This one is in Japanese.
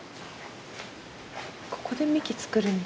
ここでみき作るんだ。